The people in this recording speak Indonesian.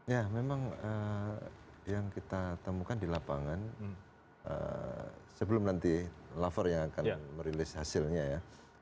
ya memang yang kita temukan di lapangan sebelum nanti lafor yang akan merilis hasilnya ya